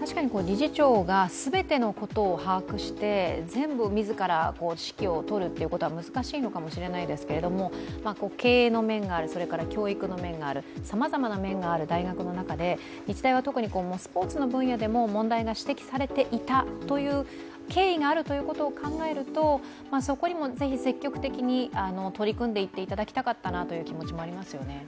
確かに理事長が全てのことを把握して、全部を自ら指揮を執ることは難しいのかもしれませんけど、経営の面がある、教育の面があるさまざまな面がある大学の中で日大は特にスポーツの分野でも問題が指摘されていたという経緯を考えるとそこにもぜひ積極的に取り組んでいっていただきたかったなという気持ちもありますよね。